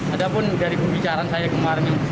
ada pun dari pembicaraan saya kemarin